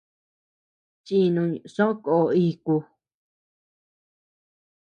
Chinuñ soʼö ko iku.